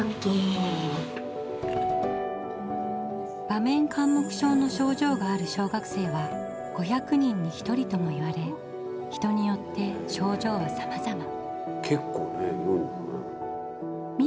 場面緘黙症の症状がある小学生は５００人に１人ともいわれ人によって症状はさまざま。